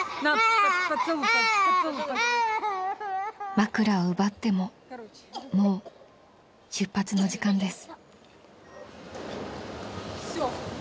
［枕を奪ってももう出発の時間です］